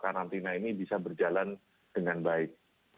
karantina ini bisa berjalan dengan baik